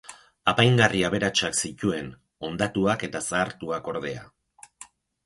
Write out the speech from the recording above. Apaingarri aberatsak zituen, hondatuak eta zahartuak ordea.